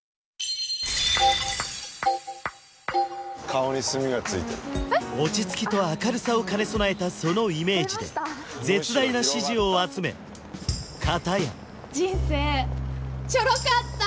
顔に炭がついてる落ち着きと明るさを兼ね備えたそのイメージで絶大な支持を集め片や人生チョロかった！